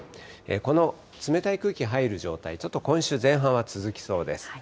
この冷たい空気入る状態、ちょっと今週前半は続きそうです。